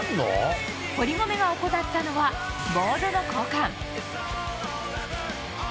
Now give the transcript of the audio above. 堀米が行ったのは、ボードの交換。